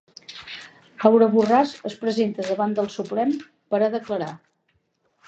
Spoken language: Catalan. Laura Borràs es presenta davant del Suprem per a declarar